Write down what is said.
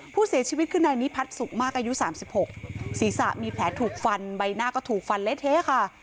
ผู้เสียชีวิตคือนายนิพัฒน์สุขมากอายุ๓๖ศีรษะมีแผลถูกฟันใบหน้าก็ถูกฟันเละเทะค่ะ